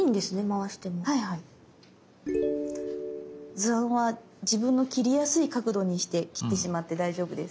図案は自分の切りやすい角度にして切ってしまって大丈夫です。